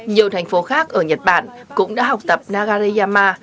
nhiều thành phố khác ở nhật bản cũng đã học tập nagareyama